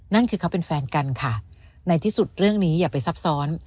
นั่นคือเขาเป็นแฟนกันค่ะในที่สุดเรื่องนี้อย่าไปซับซ้อน